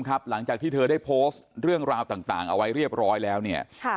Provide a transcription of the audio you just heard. ต่างเอาไว้เรียบร้อยแล้วเนี่ยค่ะ